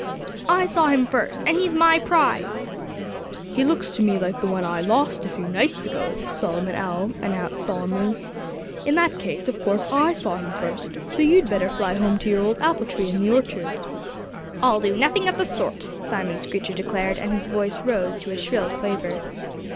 "I saw him first. And he's my prize." "He looks to me like the one I lost a few nights ago," Solomon Owl announced solemnly. "In that case, of course I saw him first. So you'd better fly home to your old apple tree in the orchard." "I'll do nothing of the sort!" Simon Screecher declared; and his voice rose to a shrill quaver.